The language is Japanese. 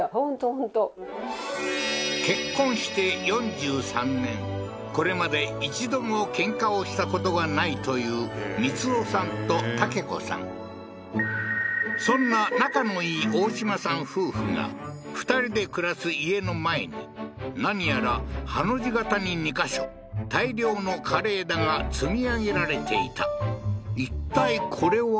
本当結婚して４３年これまで一度も喧嘩をしたことが無いという光夫さんとたけ子さんそんな仲のいい大島さん夫婦が２人で暮らす家の前に何やらハの字型に２か所大量の枯れ枝が積み